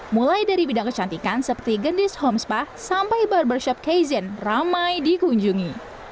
mulai dari bidang kecantikan seperti gendis homespa sampai barbershop cazon ramai dikunjungi